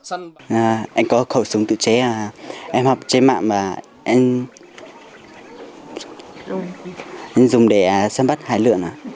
anh có khẩu súng tự chế em học trên mạng và em dùng để săn bắt hải lượng